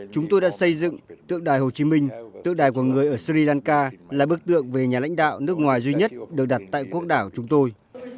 chúng tôi đã xây dựng tượng đài hồ chí minh tượng đài của người ở sri lanka là bức tượng về nhà lãnh đạo nước ngoài duy nhất được đặt tại quốc đảo chúng tôi